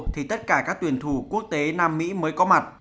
thì tất cả các tuyển thủ quốc tế nam mỹ mới có mặt